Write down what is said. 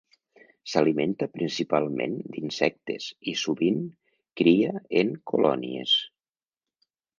S'alimenta principalment d'insectes i sovint cria en colònies.